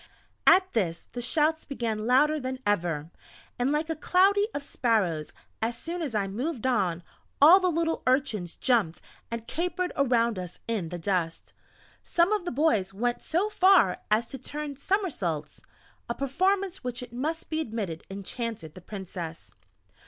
At this the shouts began louder than ever, and like a cloudy of sparrows, as soon as I moved on, all the little urchins jumped and capered around us in the dust; some of the boys went so far as to turn summersaults, a performance which it must be admitted enchanted the Princess.